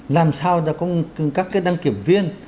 làm sao cho các cái đăng kiểm viên